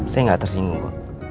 saya gak tersinggung kok